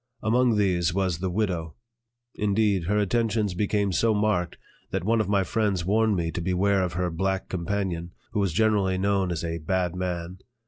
Among these was the "widow"; indeed, her attentions became so marked that one of my friends warned me to beware of her black companion, who was generally known as a "bad man."